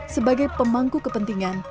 sebagai pemangku kepentingan